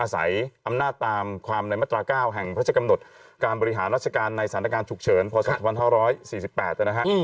อาศัยอำนาจตามความในมาตรา๙แห่งพระราชกำหนดการบริหารราชการในสถานการณ์ฉุกเฉินพศ๒๕๔๘นะฮะ